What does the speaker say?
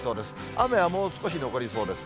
雨はもう少し残りそうです。